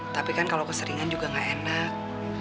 tapi kan kalau keseringan juga gak enak